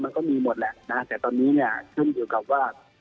มันก็มีหมดแต่ตอนนี้ขึ้นอยู่กับว่า